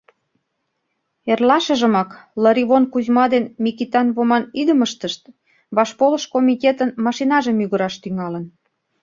Эрлашыжымак Лыривон Кузьма ден Микитан Воман идымыштышт вашполыш комитетын машинаже мӱгыраш тӱҥалын.